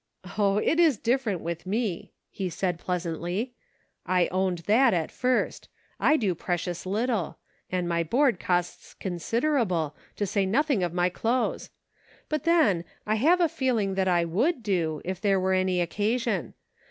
" Oh ! it is different with me," he said, pleasantly. " I owned that, at first ; I do precious little ; and my board costs considerable, to say nothing of my 44 PRACTICING. clothes ; but then, I have a feeling that I would do, if there were any occasion.